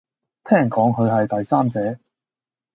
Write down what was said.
聽講佢係第三者